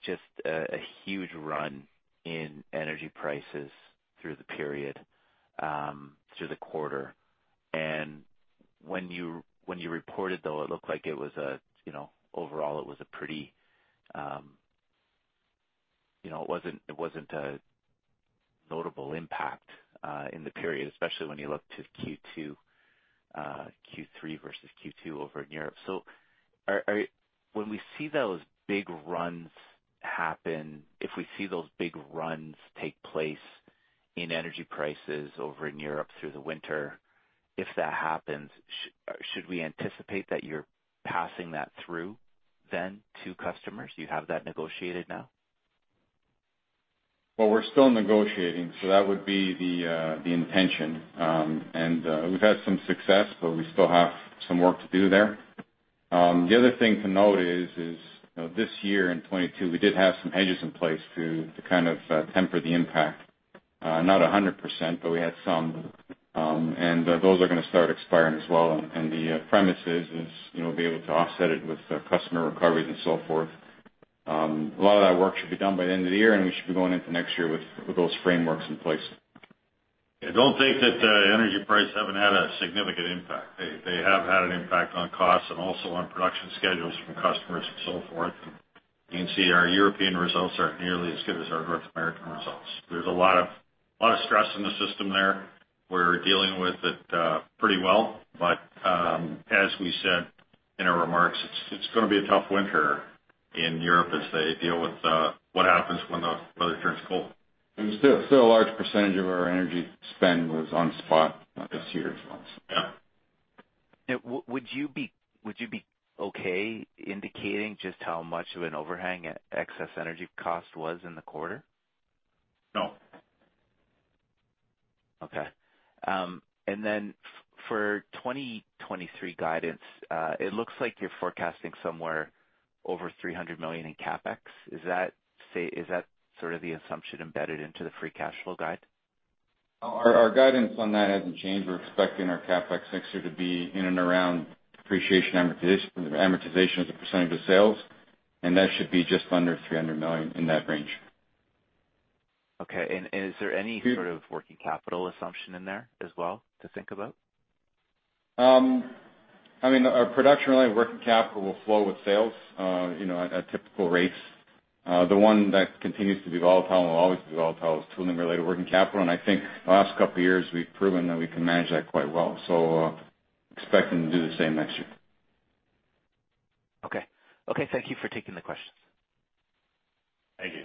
just a huge run in energy prices through the period, through the quarter. When you reported, though, it looked like it was overall a pretty. It wasn't a notable impact in the period, especially when you look to Q2, Q3 versus Q2 over in Europe. When we see those big runs happen, if we see those big runs take place in energy prices over in Europe through the winter, if that happens, should we anticipate that you're passing that through then to customers? Do you have that negotiated now? Well, we're still negotiating, so that would be the intention. We've had some success, but we still have some work to do there. The other thing to note is, you know, this year in 2022, we did have some hedges in place to kind of temper the impact. Not 100%, but we had some. Those are gonna start expiring as well. The premise is, you know, be able to offset it with customer recoveries and so forth. A lot of that work should be done by the end of the year, and we should be going into next year with those frameworks in place. Yeah, don't think that energy prices haven't had a significant impact. They have had an impact on costs and also on production schedules from customers and so forth. You can see our European results aren't nearly as good as our North American results. There's a lot of stress in the system there. We're dealing with it pretty well, but as we said in our remarks, it's gonna be a tough winter in Europe as they deal with what happens when the weather turns cold. Still a large percentage of our energy spend was on spot this year as well, so. Yeah. Would you be okay indicating just how much of an overhang excess energy cost was in the quarter? No. For 2023 guidance, it looks like you're forecasting somewhere over $300 million in CapEx. Is that, say, is that sort of the assumption embedded into the free cash flow guide? Our guidance on that hasn't changed. We're expecting our CapEx next year to be in and around depreciation amortization as a percentage of sales, and that should be just under $300 million in that range. Okay. Is there any sort of working capital assumption in there as well to think about? I mean, our production-related working capital will flow with sales at typical rates. The one that continues to be volatile and will always be volatile is tooling-related working capital. I think the last couple of years we've proven that we can manage that quite well. Expecting to do the same next year. Okay, thank you for taking the questions. Thank you.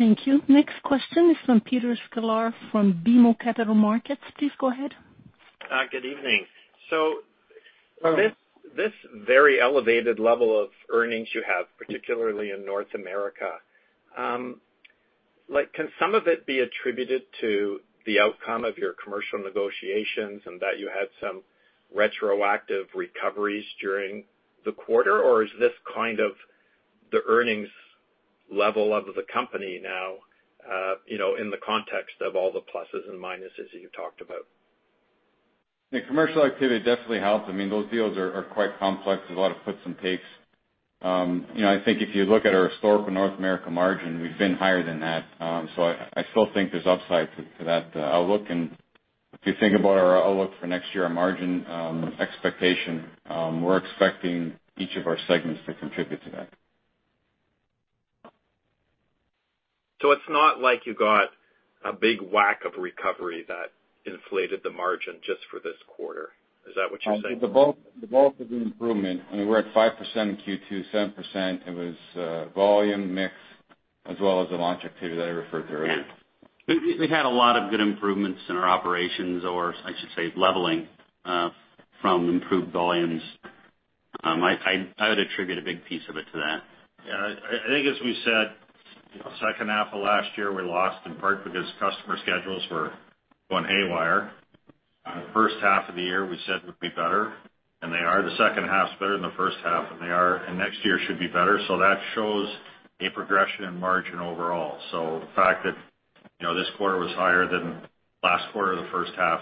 Thank you. Next question is from Peter Sklar from BMO Capital Markets. Please go ahead. Good evening. This very elevated level of earnings you have, particularly in North America, like, can some of it be attributed to the outcome of your commercial negotiations and that you had some retroactive recoveries during the quarter? Or is this kind of the earnings level of the company now, you know, in the context of all the pluses and minuses that you talked about? The commercial activity definitely helps. I mean, those deals are quite complex. There's a lot of puts and takes. You know, I think if you look at our historical North America margin, we've been higher than that. I still think there's upside to that outlook. If you think about our outlook for next year, our margin expectation, we're expecting each of our segments to contribute to that. It's not like you got a big whack of recovery that inflated the margin just for this quarter. Is that what you're saying? The bulk of the improvement, and we're at 5% in Q2, 7%. It was volume mix as well as the launch activity that I referred to earlier. Yeah. We had a lot of good improvements in our operations, or I should say, leveling from improved volumes. I would attribute a big piece of it to that. Yeah. I think as we said, you know, second half of last year, we lost in part because customer schedules were going haywire. First half of the year, we said would be better, and they are. The second half's better than the first half, and they are. Next year should be better. That shows a progression in margin overall. The fact that, you know, this quarter was higher than last quarter, the first half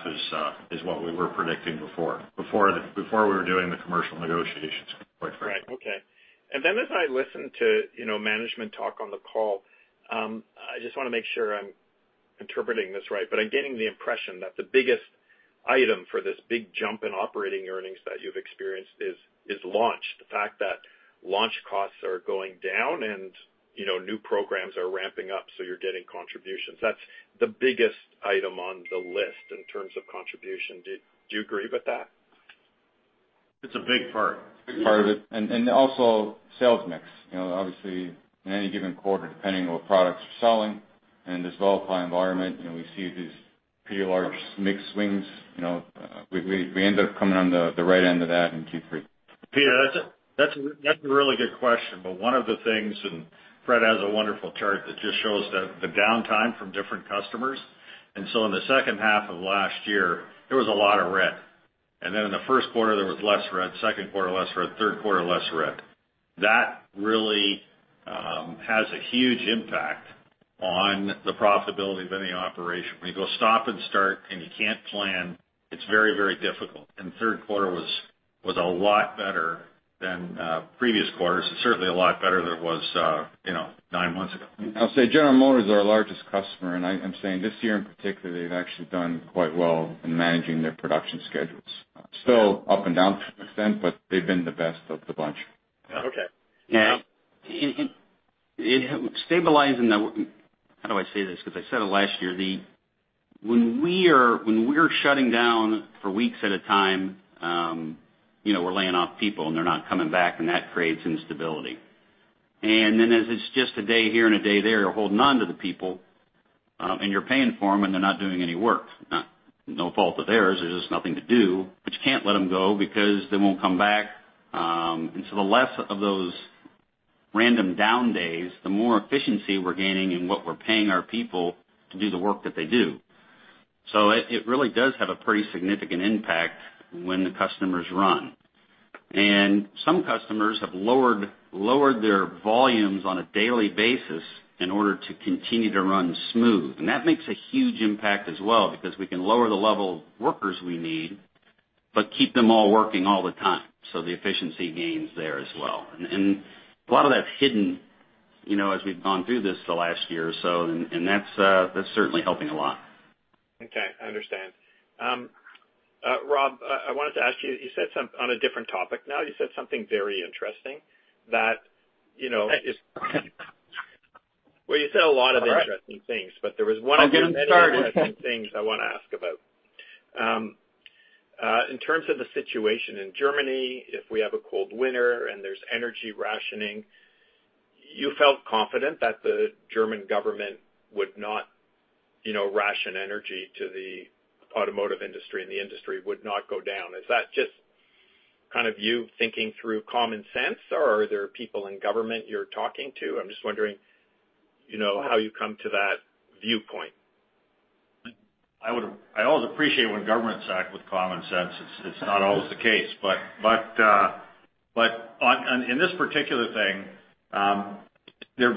is what we were predicting before we were doing the commercial negotiations quite frankly. Right. Okay. As I listen to, you know, management talk on the call, I just wanna make sure I'm interpreting this right. I'm getting the impression that the biggest item for this big jump in operating earnings that you've experienced is launch. The fact that launch costs are going down and, you know, new programs are ramping up, so you're getting contributions. That's the biggest item on the list in terms of contribution. Do you agree with that? It's a big part. Big part of it. Also sales mix. You know, obviously, in any given quarter, depending on what products we're selling in this volatile environment, you know, we see these pretty large mix swings. You know, we end up coming on the right end of that in Q3. Peter, that's a really good question. One of the things, and Fred has a wonderful chart that just shows the downtime from different customers. In the second half of last year, there was a lot of red. In the first quarter, there was less red. Second quarter, less red. Third quarter, less red. That really has a huge impact on the profitability of any operation. When you go stop and start and you can't plan, it's very, very difficult. The third quarter was a lot better than previous quarters, and certainly a lot better than it was, you know, nine months ago. I'll say General Motors is our largest customer, and I'm saying this year in particular, they've actually done quite well in managing their production schedules. Still up and down to an extent, but they've been the best of the bunch. Okay. Yeah. Now- How do I say this? 'Cause I said it last year. When we are shutting down for weeks at a time, you know, we're laying off people and they're not coming back, and that creates instability. As it's just a day here and a day there, you're holding on to the people, and you're paying for them, and they're not doing any work. No fault of theirs, there's just nothing to do. You can't let them go because they won't come back. The less of those random down days, the more efficiency we're gaining in what we're paying our people to do the work that they do. It really does have a pretty significant impact when the customers run. Some customers have lowered their volumes on a daily basis in order to continue to run smooth. That makes a huge impact as well, because we can lower the level of workers we need, but keep them all working all the time, so the efficiency gains there as well. A lot of that's hidden, you know, as we've gone through this the last year or so, and that's certainly helping a lot. Okay. I understand. Rob, I wanted to ask you. On a different topic now. You said something very interesting that, you know. Thank you. Well, you said a lot of interesting things. All right. There was one of the many. I'll get him started. interesting things I wanna ask about. In terms of the situation in Germany, if we have a cold winter and there's energy rationing, you felt confident that the German government would not, you know, ration energy to the automotive industry and the industry would not go down. Is that just kind of you thinking through common sense, or are there people in government you're talking to? I'm just wondering, you know, how you come to that viewpoint? I always appreciate when governments act with common sense. It's not always the case. On this particular thing, there have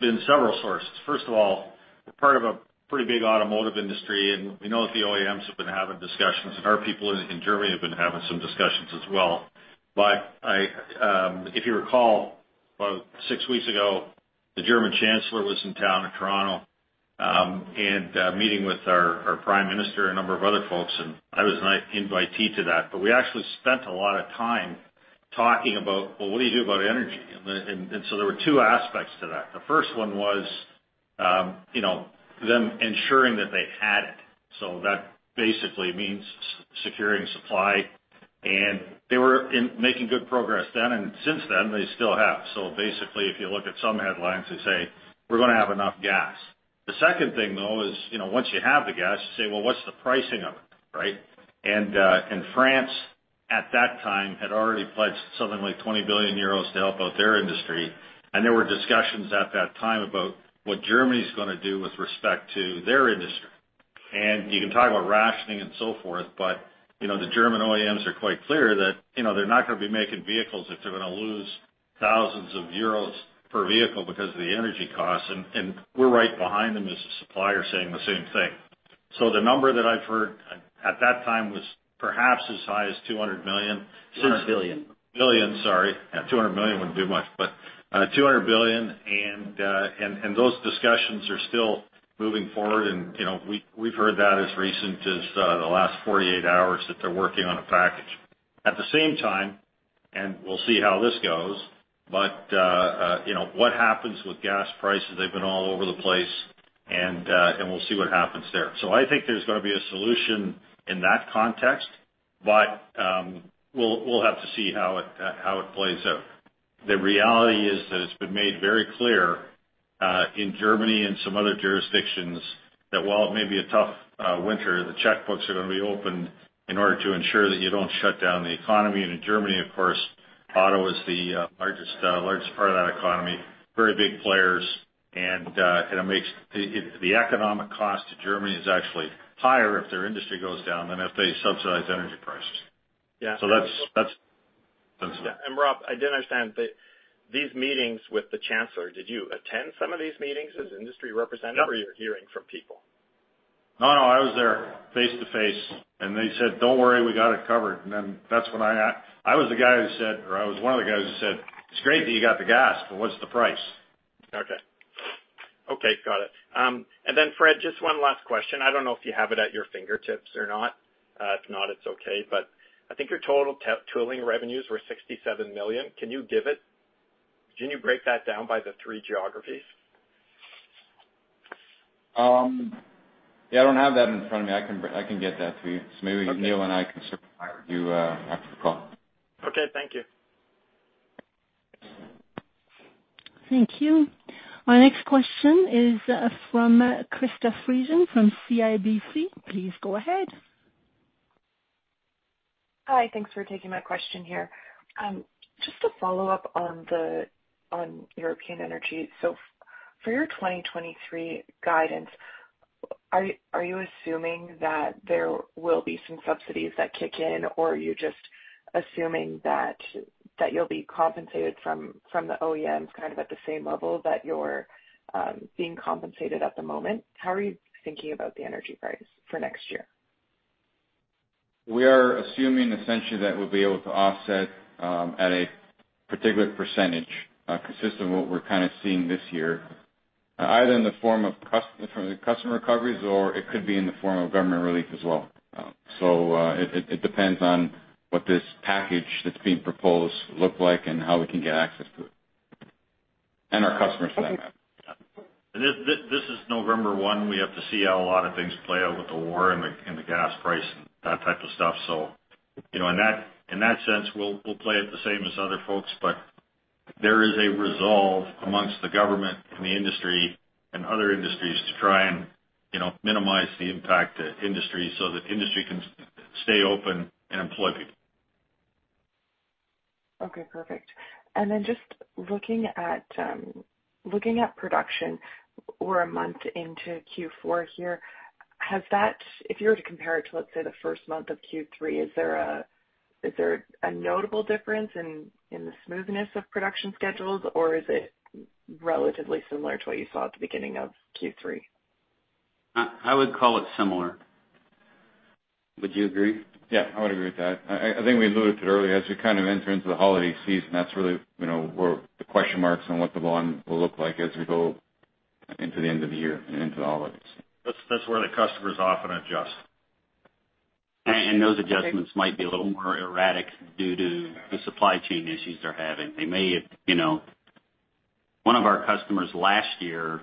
been several sources. First of all, we're part of a pretty big automotive industry, and we know that the OEMs have been having discussions, and our people in Germany have been having some discussions as well. If you recall, about six weeks ago, the German chancellor was in town in Toronto, and meeting with our prime minister and a number of other folks, and I was an invitee to that. We actually spent a lot of time talking about, well, what do you do about energy? There were two aspects to that. The first one was, you know, them ensuring that they had it, so that basically means securing supply. They were making good progress then, and since then, they still have. Basically, if you look at some headlines, they say, "We're gonna have enough gas." The second thing, though, is, you know, once you have the gas, you say, "Well, what's the pricing of it?" Right? France at that time had already pledged something like 20 billion euros to help out their industry. There were discussions at that time about what Germany's gonna do with respect to their industry. You can talk about rationing and so forth, but, you know, the German OEMs are quite clear that, you know, they're not gonna be making vehicles if they're gonna lose thousands of euros per vehicle because of the energy costs. We're right behind them as a supplier saying the same thing. The number that I've heard at that time was perhaps as high as 200 million. 200 billion. Billion, sorry. Yeah, 200 million wouldn't do much, but 200 billion. Those discussions are still moving forward. You know, we've heard that as recent as the last 48 hours that they're working on a package. At the same time, we'll see how this goes, but you know, what happens with gas prices, they've been all over the place and we'll see what happens there. I think there's gonna be a solution in that context, but we'll have to see how it plays out. The reality is that it's been made very clear in Germany and some other jurisdictions that while it may be a tough winter, the checkbooks are gonna be opened in order to ensure that you don't shut down the economy. In Germany, of course, auto is the largest part of that economy, very big players. It makes the economic cost to Germany actually higher if their industry goes down than if they subsidize energy prices. Yeah. That's that. Yeah. Rob, I didn't understand. These meetings with the chancellor, did you attend some of these meetings as industry representative? Yep You're hearing from people? No, no, I was there face-to-face. They said, "Don't worry, we got it covered." That's when I was the guy who said, or I was one of the guys who said, "It's great that you got the gas, but what's the price? Okay. Got it. Fred, just one last question. I don't know if you have it at your fingertips or not. If not, it's okay. I think your total tooling revenues were $67 million. Can you break that down by the three geographies? Yeah, I don't have that in front of me. I can get that to you. Okay. Maybe Neil and I can circle back with you after the call. Okay. Thank you. Thank you. Our next question is from Krista Friesen from CIBC. Please go ahead. Hi. Thanks for taking my question here. Just to follow up on the, on European energy. For your 2023 guidance, are you assuming that there will be some subsidies that kick in, or are you just assuming that you'll be compensated from the OEMs kind of at the same level that you're being compensated at the moment? How are you thinking about the energy price for next year? We are assuming essentially that we'll be able to offset at a particular percentage consistent with what we're kind of seeing this year either in the form of customer recoveries or it could be in the form of government relief as well. It depends on what this package that's being proposed look like and how we can get access to it and our customers to that matter. This is November 1. We have to see how a lot of things play out with the war and the gas price and that type of stuff. You know, in that sense, we'll play it the same as other folks. There is a resolve amongst the government and the industry and other industries to try and, you know, minimize the impact to industry so that industry can stay open and employ people. Okay, perfect. Just looking at production, we're a month into Q4 here. Has that. If you were to compare it to, let's say, the first month of Q3, is there a notable difference in the smoothness of production schedules? Or is it relatively similar to what you saw at the beginning of Q3? I would call it similar. Would you agree? Yeah, I would agree with that. I think we alluded to it earlier. As we kind of enter into the holiday season, that's really, you know, where the question marks on what the volume will look like as we go into the end of the year and into the holidays. That's where the customers often adjust. Those adjustments might be a little more erratic due to the supply chain issues they're having. They may, you know. One of our customers last year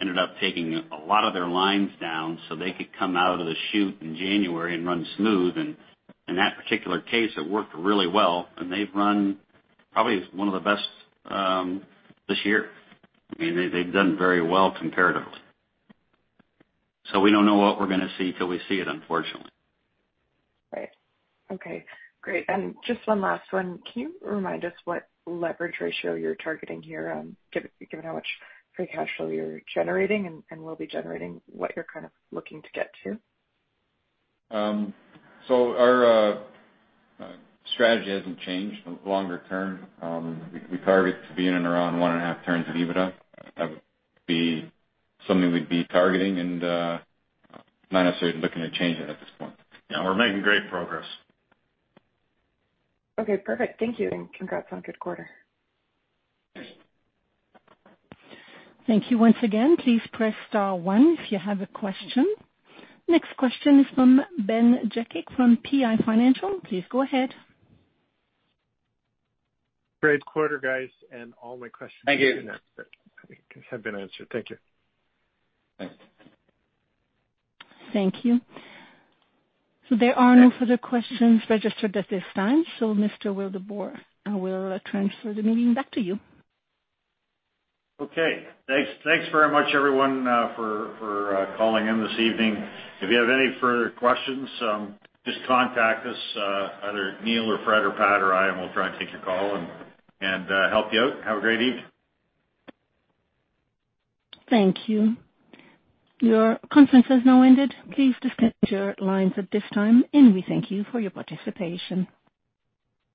ended up taking a lot of their lines down so they could come out of the chute in January and run smooth. In that particular case, it worked really well, and they've run probably one of the best this year. I mean, they've done very well comparatively. We don't know what we're gonna see till we see it, unfortunately. Right. Okay, great. Just one last one. Can you remind us what leverage ratio you're targeting here, given how much free cash flow you're generating and will be generating? What you're kind of looking to get to? Our strategy hasn't changed longer term. We target to be in and around 1.5x of EBITDA. That would be something we'd be targeting and not necessarily looking to change that at this point. Yeah, we're making great progress. Okay, perfect. Thank you, and congrats on a good quarter. Thanks. Thank you once again. Please press star one if you have a question. Next question is from Ben Jekic from PI Financial. Please go ahead. Great quarter, guys. All my questions. Thank you. have been answered. Thank you. Thanks. Thank you. There are no further questions registered at this time. Mr. Wildeboer, I will transfer the meeting back to you. Okay, thanks very much everyone for calling in this evening. If you have any further questions, just contact us, either Neil or Fred or Pat or I, and we'll try and take your call and help you out. Have a great evening. Thank you. Your conference has now ended. Please disconnect your lines at this time, and we thank you for your participation.